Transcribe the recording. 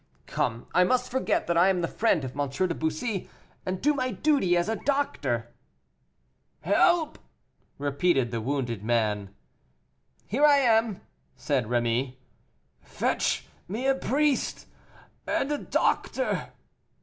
Come, I must forget that I am the friend of M. de Bussy, and do my duty as a doctor." "Help!" repeated the wounded man. "Here I am," said Rémy. "Fetch me a priest and a doctor."